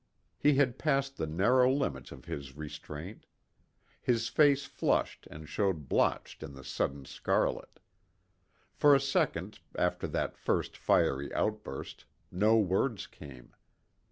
He had passed the narrow limits of his restraint. His face flushed and showed blotched in the sudden scarlet. For a second, after that first fiery outburst, no words came.